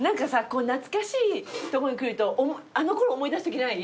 こう懐かしいところに来るとあのころ思い出すときない？